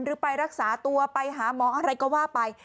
หรือไปรักษาตัวไปหาหมออะไรก็ว่าไป